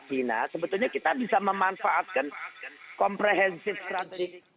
sebetulnya kita bisa memanfaatkan komprehensif strategi